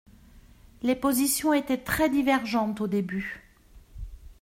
Les positions étaient très divergentes au début.